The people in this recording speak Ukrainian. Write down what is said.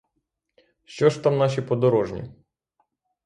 Що ж там наші подорожні?